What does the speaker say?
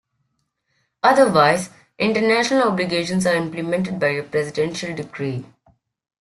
Otherwise, international obligations are implemented by a presidential decree.